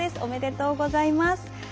おめでとうございます。